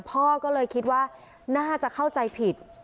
พ่อก็เลยคิดว่าน่าจะเข้าใจผิด